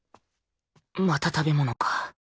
また食べ物か